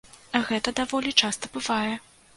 Гэта даволі часта бывае.